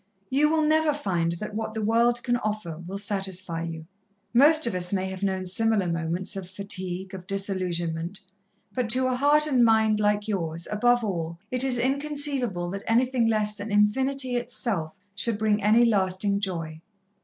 You will never find that what the world can offer will satisfy you. Most of us may have known similar moments of fatigue, of disillusionment, but to a heart and mind like yours, above all, it is inconceivable that anything less than Infinity itself should bring any lasting joy.